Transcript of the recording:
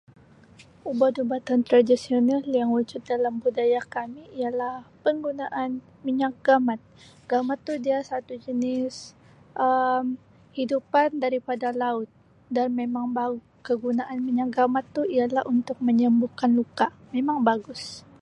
Ubat-ubatan tradisional yang wujud dalam budaya kami ialah penggunaan minyak gamat, gamat tu dia satu jenis Um hidupan daripada laut dan memang baik kegunaan minyak gamat tu ialah untuk menyembuhkan luka, memang bagus.